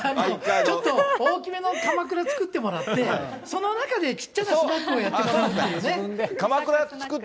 ちょっと大きめのかまくら作ってもらって、その中で小っちゃなスナックをやってもらって。